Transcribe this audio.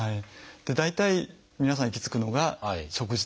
大体皆さん行き着くのが「食事」とか「ストレス」。